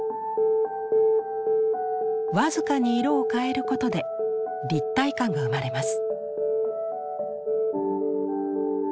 僅かに色を変えることで立体感が生まれます。